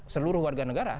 seluruh warga negara